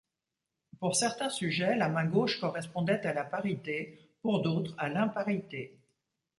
Pour certains sujets la main gauche correspondait à la parité, pour d'autre à l'imparité.